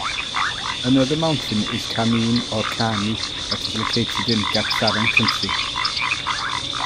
Another mountain is Khamin or Khami that is located in Gachsaran country.